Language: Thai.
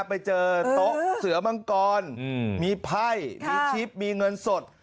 ไปเจอตกเสือมังกรมีไภชิพมีเงินสด